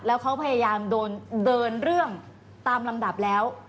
แล้วเขาพยายามเดินเรื่องตามลำดับแล้ว